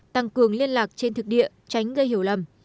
tăng cường liên lạc trên thực địa tránh gây hiểu lầm